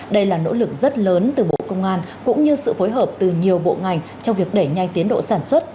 đây là nỗ lực rất lớn từ bộ công an cũng như sự phối hợp từ nhiều bộ ngành trong việc đẩy nhanh tiến độ sản xuất